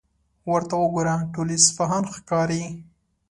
ورته وګوره، ټول اصفهان ښکاري.